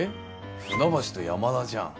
船橋と山田じゃん。